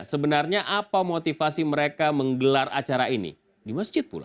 sebenarnya apa motivasi mereka menggelar acara ini di masjid pula